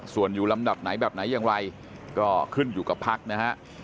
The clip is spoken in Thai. ส่วนอยู่ลำดับไหนแบบไหนอย่างไรก็ขึ้นอยู่กับภักดิ์นะฮะ